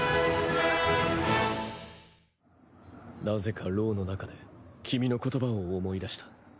なぜか牢の中で君の言葉を思い出した。